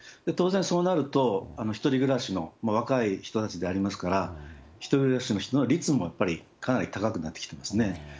当然そうなると、１人暮らしの若い人たちでありますから、１人暮らしの人の率もやっぱりかなり高くなってきてますね。